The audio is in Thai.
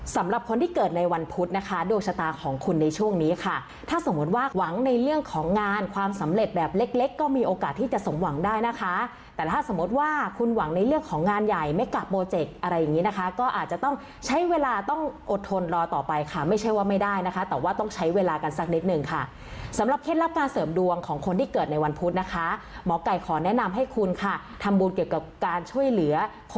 สำหรับคนที่เกิดในวันพุธนะคะโดชตาของคุณในช่วงนี้ค่ะถ้าสมมติว่าหวังในเรื่องของงานความสำเร็จแบบเล็กก็มีโอกาสที่จะสมหวังได้นะคะแต่ถ้าสมมติว่าคุณหวังในเรื่องของงานใหญ่ไม่กลับโปรเจกอะไรอย่างนี้นะคะก็อาจจะต้องใช้เวลาต้องอดทนรอต่อไปค่ะไม่ใช่ว่าไม่ได้นะคะแต่ว่าต้องใช้เวลากันสักนิดนึ